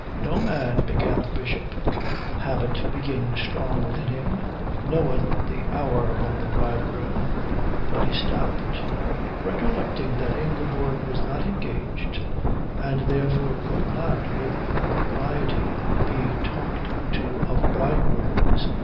"No man," began the Bishop, habit being strong within him, "knoweth the hour when the bridegroom " But he stopped, recollecting that Ingeborg was not engaged and therefore could not with propriety be talked to of bridegrooms.